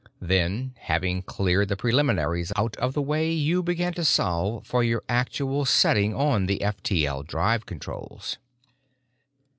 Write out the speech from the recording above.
Then, having cleared the preliminaries out of the way, you began to solve for your actual setting on the F T L drive controls.